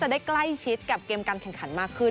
ได้ใกล้ชิดกับเกมการแข่งขันมากขึ้น